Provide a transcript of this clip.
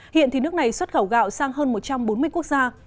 hiện thì nước này xuất khẩu gạo sang hơn một trăm bốn mươi quốc gia